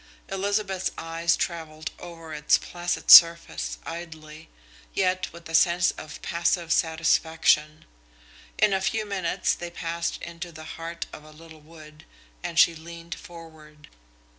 Elizabeth's eyes travelled over its placid surface idly, yet with a sense of passive satisfaction. In a few minutes they passed into the heart of a little wood, and she leaned forward.